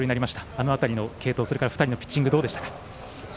あの辺りの継投、それから２人のピッチングどうでしたか。